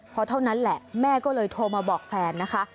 พอเท่านั้นแหละแม่ก็เลยโทรมาบอกแฟนนะคะ